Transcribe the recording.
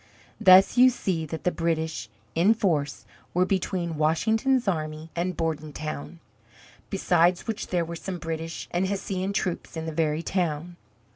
Thus you see that the British, in force, were between Washington's army and Bordentown, besides which there were some British and Hessian troops in the very town.